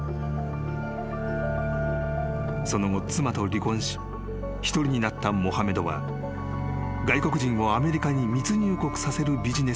［その後妻と離婚し独りになったモハメドは外国人をアメリカに密入国させるビジネスを開始］